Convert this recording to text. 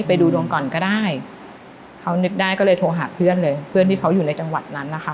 ไปดูดวงก่อนก็ได้เขานึกได้ก็เลยโทรหาเพื่อนเลยเพื่อนที่เขาอยู่ในจังหวัดนั้นนะคะ